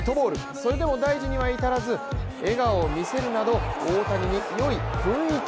それでも大事には至らず笑顔を見せるなど大谷に良い雰囲気